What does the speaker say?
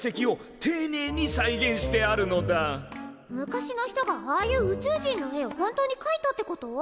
昔の人がああいう宇宙人の絵を本当にかいたってこと？